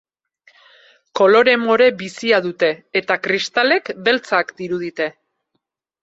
Kolore more bizia dute, eta kristalek beltzak dirudite.